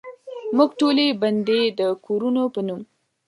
موږ ټولې بندې دکورونو په نوم،